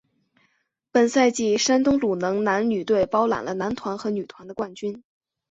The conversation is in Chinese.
本赛季山东鲁能男女队包揽了男团和女团冠军。